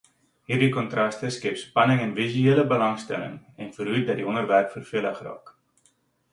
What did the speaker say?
Hierdie kontraste skep spanning en visuele belangstelling en verhoed dat die ontwerp vervelig raak.